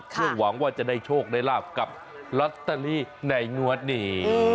เพื่อหวังว่าจะได้โชคได้ลาบกับลอตเตอรี่ในงวดนี้